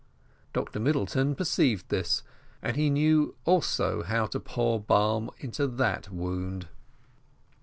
Dr Middleton perceived this, and he knew also how to pour balm into that wound.